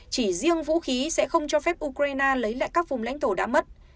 chỉ riêng vũ khí sẽ không cho phép ukraine lấy lại các vùng lãnh thổ đã mất